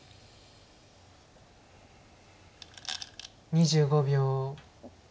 ２５秒。